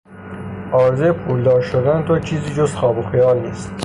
آرزوی پولدار شدن تو چیزی جز خواب و خیال نیست.